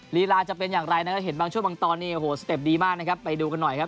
ลีลาจะเป็นอย่างไรนะครับเห็นบางช่วงบางตอนเนี่ยโอ้โหสเต็ปดีมากนะครับไปดูกันหน่อยครับ